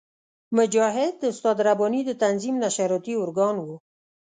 مجاهد د استاد رباني د تنظیم نشراتي ارګان وو.